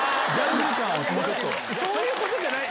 そういうことじゃない。